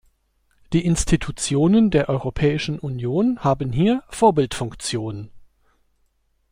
Die Institutionen der Europäischen Union haben hier Vorbildfunktion.